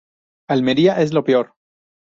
Almería es la peor